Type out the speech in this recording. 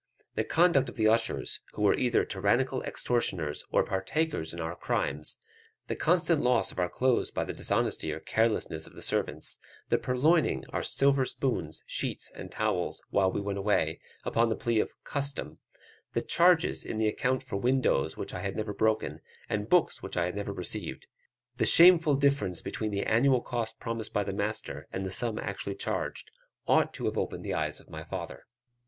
The conduct of the ushers, who were either tyrannical extortioners, or partakers in our crimes the constant loss of our clothes by the dishonesty or carelessness of the servants the purloining our silver spoons, sheets, and towels, when we went away, upon the plea of "custom" the charges in the account for windows which I had never broken, and books which I had never received the shameful difference between the annual cost promised by the master, and the sum actually charged, ought to have opened the eyes of my father.